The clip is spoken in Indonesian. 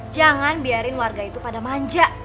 jangan biarin warga itu pada manja